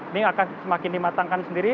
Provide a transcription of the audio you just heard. ini akan semakin dimatangkan sendiri